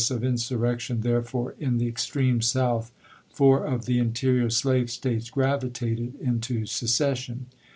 of iiisurrection therefore in the extreme South four 1861. of the interior slave States gravitated into seces sion.